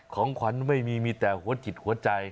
ของขวัญไม่มีมีแต่หัวจิตหัวใจ